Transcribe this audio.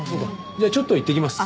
じゃあちょっと行ってきます。